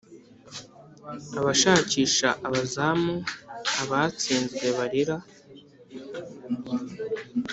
abashakisha abazamu, abatsinzwe barira